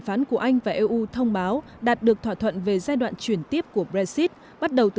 phán của anh và eu thông báo đạt được thỏa thuận về giai đoạn chuyển tiếp của brexit bắt đầu từ